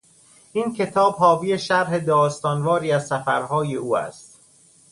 این کتاب حاوی شرح داستان واری از سفرهای او است.